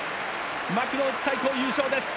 幕内最高優勝です。